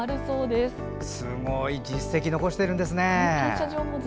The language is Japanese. すごい実績残してるんですね。